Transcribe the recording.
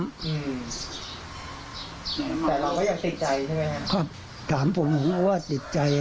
ใช่ครับถามผมเชื่อว่าติดใจ